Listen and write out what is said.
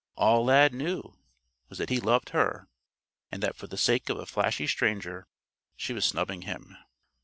All Lad knew was that he loved her, and that for the sake of a flashy stranger she was snubbing him.